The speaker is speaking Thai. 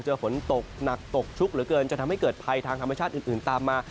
ฝนตกหนักตกชุกเหลือเกินจะทำให้เกิดภัยทางธรรมชาติอื่นตามมา